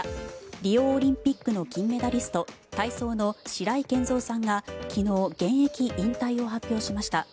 リオオリンピックの金メダリスト体操の白井健三さんが昨日、現役引退を発表しました。